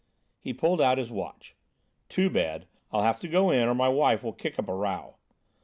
He pulled out his watch. "Too bad; I'll have to go in or my wife will kick up a row.